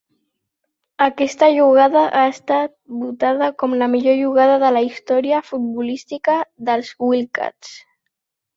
Aquesta jugada ha estat votada com la millor jugada de la història futbolística dels Wildcats.